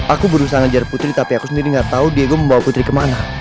aku berusaha ngejar putri tapi aku sendiri gak tahu diego membawa putri kemana